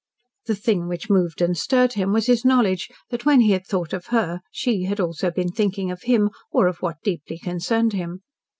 The thing which moved and stirred him was his knowledge that when he had thought of her she had also been thinking of him, or of what deeply concerned him.